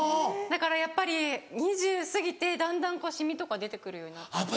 だからやっぱり２０過ぎてだんだんこうシミとか出て来るようになっちゃって。